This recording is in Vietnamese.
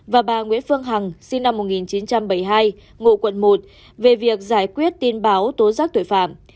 và bà nguyễn phương hằng sinh năm một nghìn chín trăm bảy mươi hai ngụ quận một về việc giải quyết tin báo tố giác tội phạm